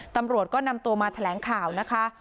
ตำรวจก็นำตัวมาแถลงข่าวนะคะ